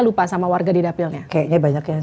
lupa sama warga di dapilnya kayaknya banyak yang